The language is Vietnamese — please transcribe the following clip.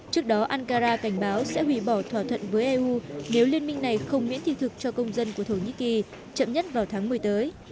trước đó ankara cảnh báo sẽ hủy bỏ thỏa thuận với eu nếu liên minh này không miễn thị thực cho công dân của thổ nhĩ kỳ chậm nhất vào tháng một mươi tới